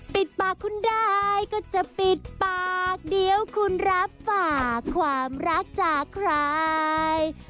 ปิดปากคุณได้ก็จะปิดปากเดี๋ยวคุณรับฝากความรักจากใคร